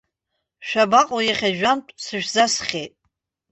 Шәабаҟоу, иахьа жәантә сышәзасхьеит.